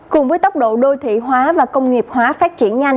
cùng với tốc độ đô thị hóa và công nghiệp hóa phát triển nhanh